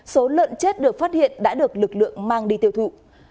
số lợn chết được phát hiện đã được lực lượng mang đi tiêu thụ